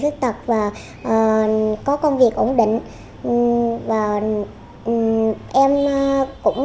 đấy đây đây chỉ có kèm kèm khó hổ